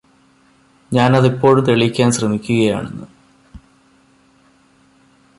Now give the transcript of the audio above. ഞാനതിപ്പോഴും തെളിയിക്കാന് ശ്രമിക്കുകയാണ്